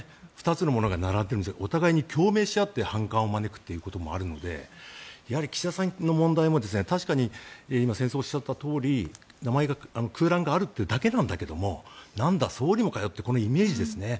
２つのものが並んでるんですがお互いに共鳴し合って反感を招くということもあるので岸田さんの問題も確かに今、先生がおっしゃったとおり名前に空欄があるというだけなんだけどなんだ、総理もかよというイメージですね。